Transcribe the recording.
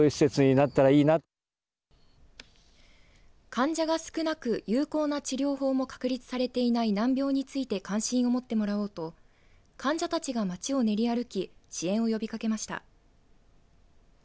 患者が少なく有効な治療法も確立されていない難病について関心を持ってもらおうと患者たちが街を練り歩き支援を呼びかけました。